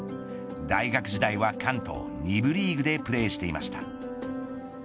大学時代は関東２部リーグでプレーしていました。